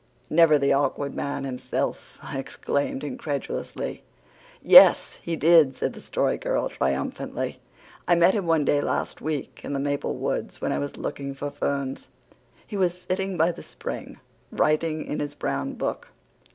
"Never the Awkward Man himself!" I exclaimed incredulously. "Yes, he did," said the Story Girl triumphantly. "I met him one day last week back in the maple woods when I was looking for ferns. He was sitting by the spring, writing in his brown book.